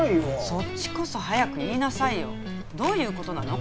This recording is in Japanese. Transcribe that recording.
そっちこそ早く言いなさいよどういうことなの？